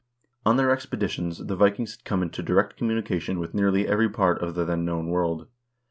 On their expeditions the Vikings had come into direct communi cation with nearly every part of the then known world.